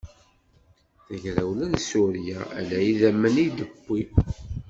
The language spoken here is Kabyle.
Tagrawla n Surya ala idammen i d-tewwi.